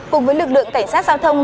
cùng với lực lượng cảnh sát giao thông